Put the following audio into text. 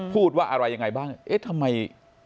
พูดว่าอะไรยังไงบ้างเอ๊ะทำไม